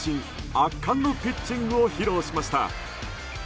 圧巻のピッチングを披露しました。